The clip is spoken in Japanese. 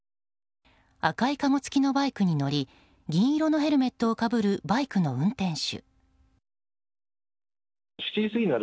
赤いかご付きのバイクに乗り銀色のヘルメットをかぶるバイクの運転手。